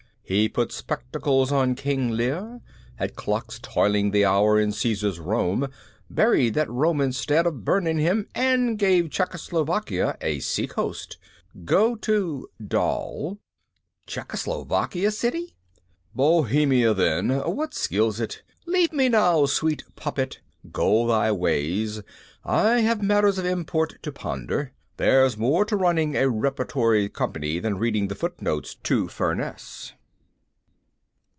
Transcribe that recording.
He put spectacles on King Lear, had clocks tolling the hour in Caesar's Rome, buried that Roman 'stead o' burning him and gave Czechoslovakia a seacoast. Go to, doll." "Czechoslovakia, Siddy?" "Bohemia, then, what skills it? Leave me now, sweet poppet. Go thy ways. I have matters of import to ponder. There's more to running a repertory company than reading the footnotes to Furness."